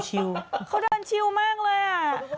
เขาเดินชิวมากเลยอ่ะ